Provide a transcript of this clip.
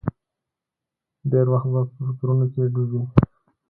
ډېر وخت به په فکرونو کې ډوب و.